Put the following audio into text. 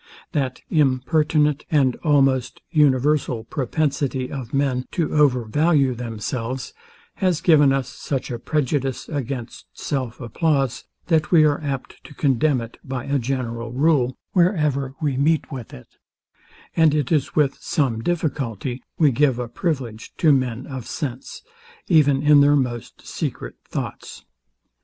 That impertinent, and almost universal propensity of men, to over value themselves, has given us such a prejudice against self applause, that we are apt to condemn it, by a general rule, wherever we meet with it; and it is with some difficulty we give a privilege to men of sense, even in their most secret thoughts.